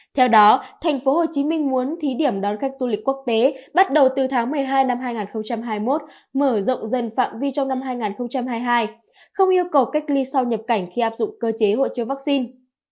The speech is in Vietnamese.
theo đó tp hcm muốn thí điểm đón khách du lịch quốc tế bắt đầu từ tháng một mươi hai năm hai nghìn hai mươi một mở rộng dần phạm vi trong năm hai nghìn hai mươi hai không yêu cầu cách ly sau nhập cảnh khi áp dụng cơ chế hội chứa vaccine